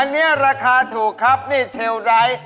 อันนี้ราคาถูกครับนี่เชลไดท์